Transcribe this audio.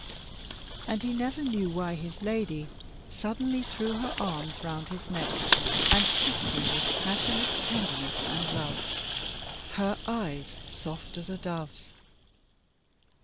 And he never knew why his lady suddenly threw her arms round his neck, and kissed him with passionate tenderness and love, her eyes soft as a dove's.